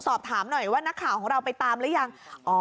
สอบถามหน่อยว่านักข่าวของเราไปตามหรือยัง